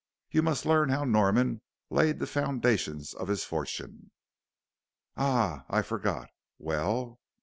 You must learn how Norman laid the foundations of his fortune." "Ah, I forget! Well?"